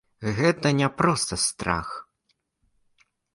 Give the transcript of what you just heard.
Гэта не проста страх.